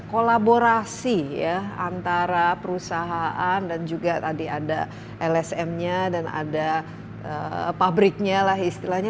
kolaborasi ya antara perusahaan dan juga tadi ada lsm nya dan ada pabriknya lah istilahnya